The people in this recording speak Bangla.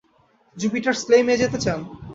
জুপিটার্স ক্লেইম-এ যেতে চান?